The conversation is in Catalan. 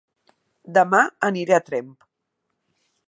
Dema aniré a Tremp